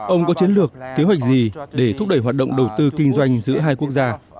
ông có chiến lược kế hoạch gì để thúc đẩy hoạt động đầu tư kinh doanh giữa hai quốc gia